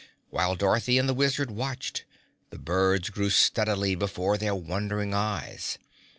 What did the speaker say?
While Dorothy and the Wizard watched, the birds grew steadily before their wondering eyes.